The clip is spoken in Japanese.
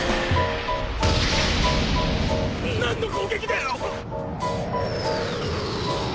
なんの攻撃だよ